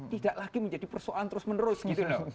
tidak lagi menjadi persoalan terus menerus gitu loh